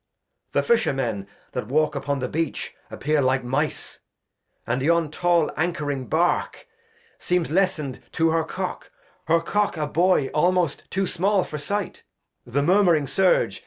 The Fisher Men that walk upon the Beach _ Appear like Mice ; and yon tall Anch'ring Barque Seems lessen'd to her Cock, her Cock a Buoy, ^ gii. r^lmost too small for Sight ; the murmuring Surge